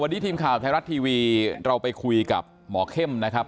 วันนี้ทีมข่าวไทยรัฐทีวีเราไปคุยกับหมอเข้มนะครับ